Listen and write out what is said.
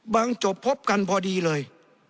จบพบกันพอดีเลย